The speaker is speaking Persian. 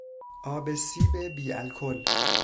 آب سیب بی الکل